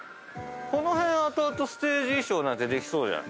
この辺後々ステージ衣装なんてできそうじゃん。